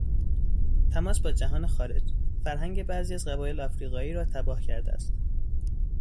تماس با جهان خارج، فرهنگ برخی از قبایل افریقایی را تباه کرده است.